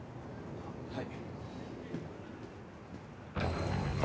・はい。